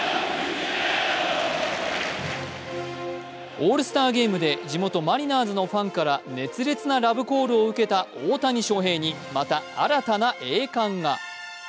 オールスターゲームで地元・マリナーズのファンから熱烈なラブコールを受けた大谷翔平にまた新たな栄冠が。